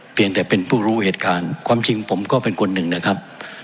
เปลี่ยนแต่เป็นผู้รู้เหตุการณ์ความจริงผมก็เป็นคนหนึ่งนะครับ